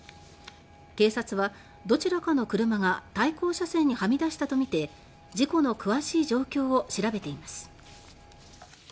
警察は、どちらかの車が対向車線にはみ出したとみて事故の詳しい状況を調べています。